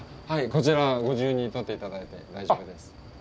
こちらご自由に取っていただいて大丈夫です。